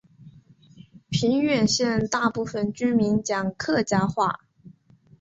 平远县大部分居民讲客家话。